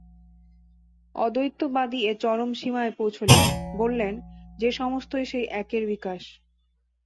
অদ্বৈতবাদী এর চরম সীমায় পৌঁছুলেন, বললেন যে সমস্তই সেই একের বিকাশ।